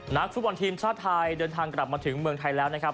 นักฟุตบอลทีมชาติไทยเดินทางกลับมาถึงเมืองไทยแล้วนะครับ